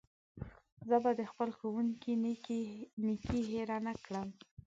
زه به د خپل ښوونکي نېکي هېره نه کړم.